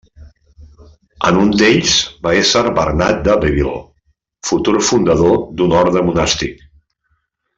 En un d'ells va ésser Bernat d'Abbeville, futur fundador d'un orde monàstic.